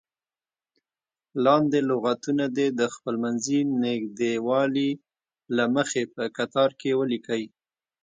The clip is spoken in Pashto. لاندې لغتونه دې د خپلمنځي نږدېوالي له مخې په کتار کې ولیکئ.